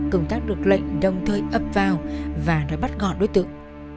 công tác được lệnh đồng thời ập vào và đã bắt gọn đối tượng